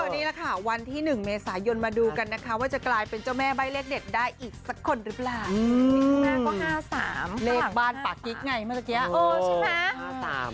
หลังก็๕๓หลังก็๕๓เลขบ้านปากกิ๊กไงเมื่อกี้โอ้ใช่ไหม